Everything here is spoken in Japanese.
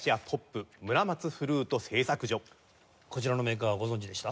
こちらのメーカーご存じでした？